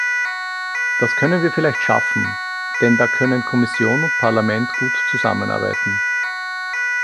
Das können wir vielleicht schaffen, denn da können Kommission und Parlament gut zusammenarbeiten.